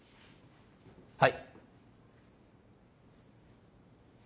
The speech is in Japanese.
はい。